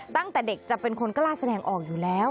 ตั้งแต่เด็กจะเป็นคนกล้าแสดงออกอยู่แล้ว